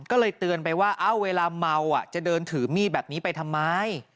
ก็เลยเตือนไปว่าเวลาเมาจะเดินถือมีดแบบนี้ไปทำไม